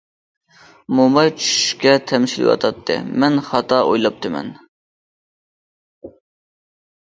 موماي چۈشۈشكە تەمشىلىۋاتاتتى، مەن خاتا ئويلاپتىمەن.